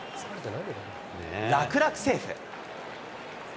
楽々セーフ。